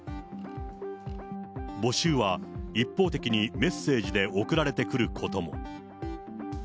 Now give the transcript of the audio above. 募集は、一方的にメッセージで送られてくることも。